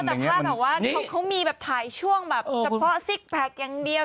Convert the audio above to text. แต่ถ้าเขามีถ่ายช่วงเฉพาะซิกแพ็คอย่างเดียว